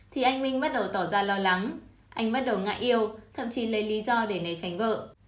thì anh minh bắt đầu tỏ ra lo lắng anh bắt đầu ngại yêu thậm chí lấy lý do để né tránh vợ